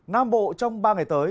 nam bộ trong ba ngày tới